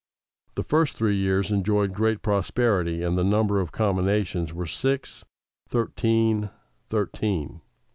] The first three years enjoyed great prosperity and the number of combinations were six, thirteen, thirteen.